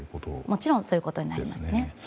もちろんそういうことになりますね。